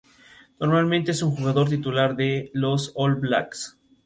En total, hubo tres Borbón duques de Vendôme.